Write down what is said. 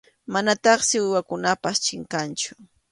Manataqsi uywakunapas chinkanchu.